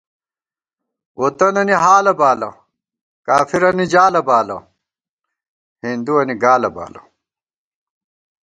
ووطَنَنی حالہ بالہ، کافِرَنی جالہ بالہ، ہِندُوَنی گالہ بالہ